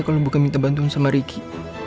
mana dia kalo bukan minta bantuan sama ricky